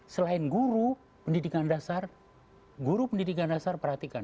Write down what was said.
selain guru pendidikan dasar guru pendidikan dasar perhatikan